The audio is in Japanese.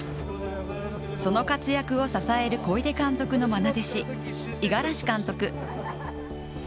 その活躍を支える小出監督のまな弟子、五十嵐監督。